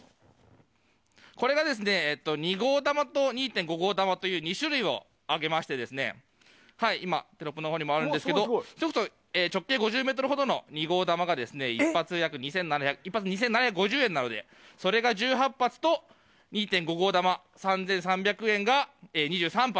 これがですね２号玉と２．５号玉という２種類を上げましてテロップのほうにもございますが直径５０ｍほどの２号玉が１発２７５０円なのでそれが１８発と２．５号玉３３００円が２３発。